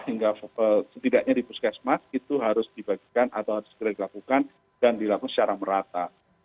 hingga setidaknya di puskesmas itu harus dibagikan atau harus segera dilakukan dan dilakukan secara merata